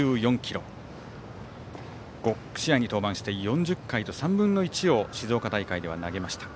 ５試合に登板して４０回と３分の１を静岡大会では投げました。